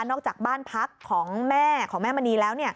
จากบ้านพักของแม่ของแม่มณีแล้ว